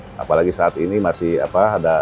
jadi dari saat ini masih apa